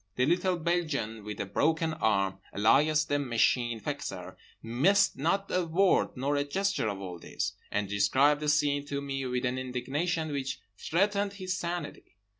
(The little Belgian with the Broken Arm, alias the Machine Fixer, missed not a word nor a gesture of all this; and described the scene to me with an indignation which threatened his sanity.)